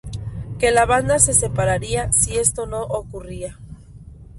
Que la banda se separaría si esto no ocurría.